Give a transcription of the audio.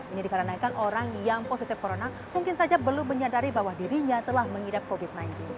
ini dikarenakan orang yang positif corona mungkin saja belum menyadari bahwa dirinya telah mengidap covid sembilan belas